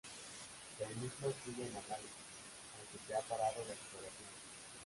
El mismo sigue en análisis aunque se ha parado la exploración.